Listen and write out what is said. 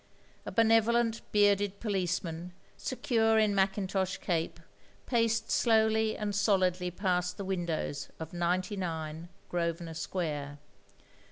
A benevolent, bearded policeman, secure in mackintosh cape, paced slowly and solidly past tlfe windows of 99 Grosvenor Square.